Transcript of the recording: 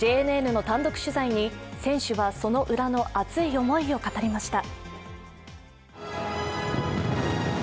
ＪＮＮの単独取材に選手は、その裏の熱い思いを語りました。